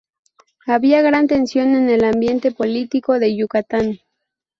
Había gran tensión en el ambiente político de Yucatán.